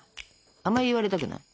あんまり言われたくない？